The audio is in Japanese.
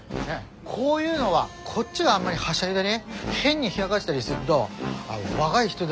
こういうのはこっちがあんまりはしゃいだり変に冷やがしたりすっと若い人だぢは嫌がりますから。